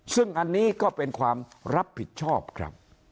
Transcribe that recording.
ซึ่งอันนี้ก็เป็นความรับผิดชอบครับ